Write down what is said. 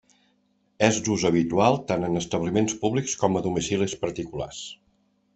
És d'ús habitual tant en establiments públics com a domicilis particulars.